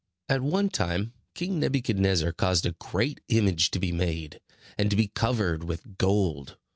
At one time King Nebuchadnezzar caused a great image to be made, and to be covered with gold.